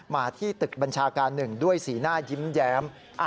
มาที่ตึกบัญชาการ๑ด้วยสีหน้ายิ้มแย้ม